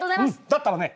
だったらね